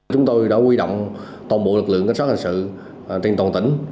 chúng tôi đã quy động toàn bộ lực lượng cảnh sát hành sự trên toàn tỉnh